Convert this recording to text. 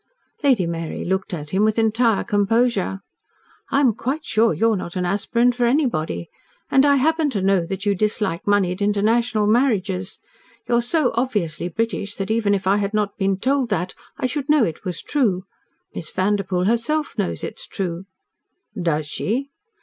Lady Mary looked at him with entire composure. "I am quite sure you are not an aspirant for anybody. And I happen to know that you dislike moneyed international marriages. You are so obviously British that, even if I had not been told that, I should know it was true. Miss Vanderpoel herself knows it is true." "Does she?"